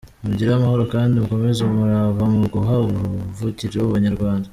Mugire amahoro kandi mukomeze umurava mu uguha uruvugiro abanyarwanda.